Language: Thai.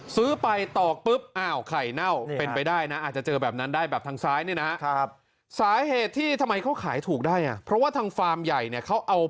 ซื้อไปตอกปุ๊บอ่าวไข่เน่าเป็นไปได้นะ